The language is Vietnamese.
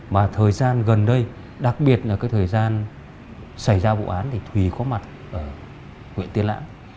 mà thời gian gần đây đặc biệt là cái thời gian xảy ra vụ án thì thùy có mặt ở huyện tiên lãng